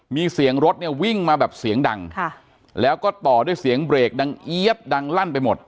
มีเสียงรถเนี่ยวิ่งมาแบบเสียงดังแล้วก็ต่อด้วยเสียงเบรกดังเอี๊ยดดังลั่นไปหมด